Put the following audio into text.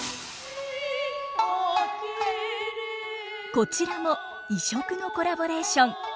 こちらも異色のコラボレーション。